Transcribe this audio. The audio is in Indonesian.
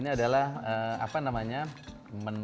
tidak bisa terlupakan